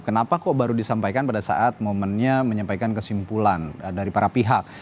kenapa kok baru disampaikan pada saat momennya menyampaikan kesimpulan dari para pihak